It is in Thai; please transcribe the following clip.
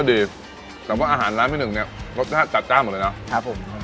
แต่ว่าอาหารร้านพี่หนึ่งเนี่ยรสชาติจัดจ้านหมดเลยเนอะครับผม